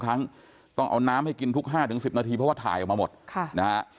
ครั้งต้องเอาน้ำให้กินทุกห้าถึงสิบนาทีเพราะว่าถ่ายออกมา